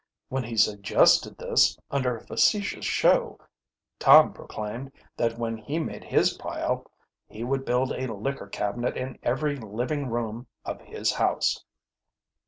When he suggested this, under a facetious show, Tom proclaimed that when he made his pile he would build a liquor cabinet in every living room of his house.